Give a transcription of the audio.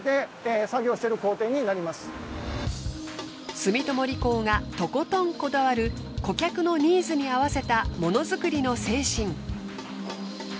住友理工がとことんこだわる顧客のニーズに合わせたモノづくりの精神。